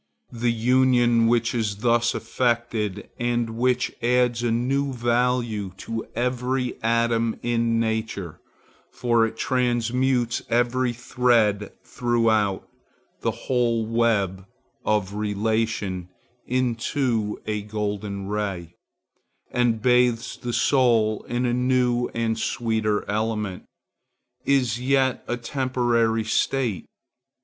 The union which is thus effected and which adds a new value to every atom in nature—for it transmutes every thread throughout the whole web of relation into a golden ray, and bathes the soul in a new and sweeter element—is yet a temporary state.